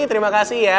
terima kasih ya